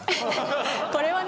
これはね